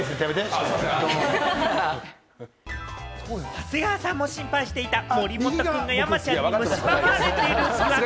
長谷川さんも心配していた森本くんが山ちゃんに蝕まれている疑惑。